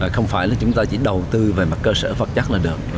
không phải là chúng ta chỉ đầu tư về mặt cơ sở vật chất là được